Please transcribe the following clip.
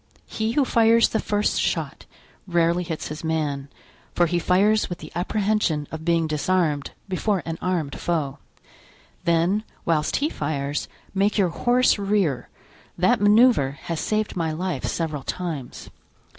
He who fires the first shot rarely hits his man, for he fires with the apprehension of being disarmed, before an armed foe; then, whilst he fires, make your horse rear; that manoeuvre has saved my life several times."